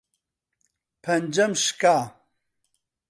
پەنجەم شکا.